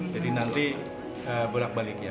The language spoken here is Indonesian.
jadi nanti berak balik ya